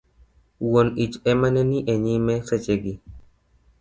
wuon ich ema ne ni e nyime seche gi